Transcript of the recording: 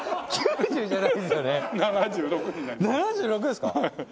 ７６ですか！